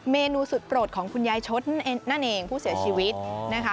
เมนูสุดโปรดของคุณยายชดนั่นเองผู้เสียชีวิตนะคะ